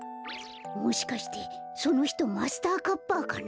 もしかしてそのひとマスターカッパーかな？